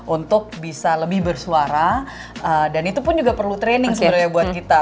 untuk bisa lebih bersuara dan itu pun juga perlu training sebenarnya buat kita